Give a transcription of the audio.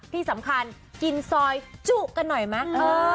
ที่สำคัญกินซอยจุกันหน่อยมั้งเออ